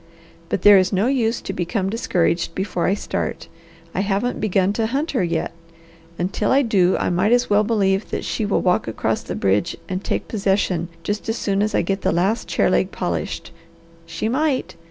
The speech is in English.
But there is no use to become discouraged before I start. I haven't begun to hunt her yet. Until I do, I might as well believe that she will walk across the bridge and take possession just as soon as I get the last chair leg polished. She might!